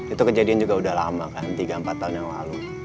itu kejadian juga udah lama kan tiga empat tahun yang lalu